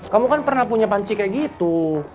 kamu kan pernah punya panci kayak gitu